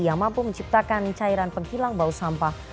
yang mampu menciptakan cairan penghilang bau sampah